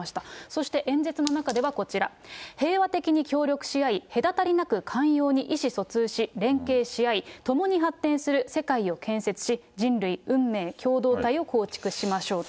そして演説の中ではこちら、平和的に協力し合い、隔たりなく寛容に意思疎通し、連携し合い、共に発展する世界を建設し、人類運命共同体を構築しましょうと。